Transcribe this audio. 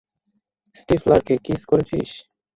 স্টিফলারকে kiss করেছিস?